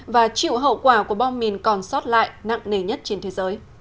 và chịu hậu quả của bom mìn còn sót lại nặng nề nhất trên thế giới